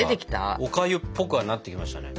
おかゆっぽくはなってきましたね。